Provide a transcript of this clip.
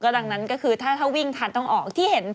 ดังนั้นก็คือถ้าวิ่งทันต้องออก